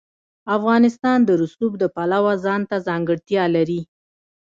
افغانستان د رسوب د پلوه ځانته ځانګړتیا لري.